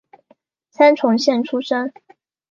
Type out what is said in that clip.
三重县出身。